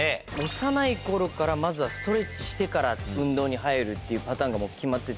幼い頃からまずはストレッチしてから運動に入るっていうパターンがもう決まってて。